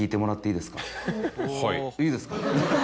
いいですか。